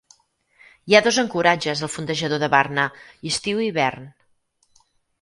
Hi ha dos ancoratges al fondejador de Varna: estiu i hivern.